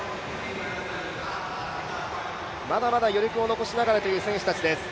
まだまだ余力を残しながらという選手たちです。